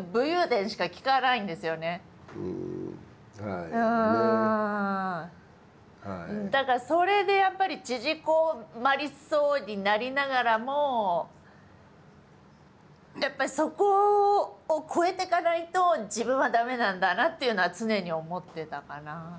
いざ女優になってみるといろんな所でだからそれでやっぱり縮こまりそうになりながらもやっぱりそこを超えていかないと自分は駄目なんだなっていうのは常に思ってたかな。